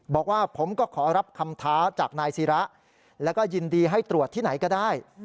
บอกว่าผมก็ขอรับคำท้าจากนายศิระแล้วก็ยินดีให้ตรวจที่ไหนก็ได้